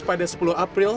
pada sepuluh april